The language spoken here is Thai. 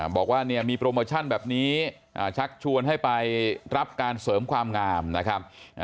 บอกว่าเนี่ยมีโปรโมชั่นแบบนี้ชักชวนให้ไปรับการเสริมความงามนะครับ